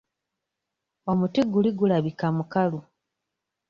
Omuti guli gulabika mukalu.